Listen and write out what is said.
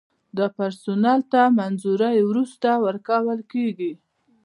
دا پرسونل ته د منظورۍ وروسته ورکول کیږي.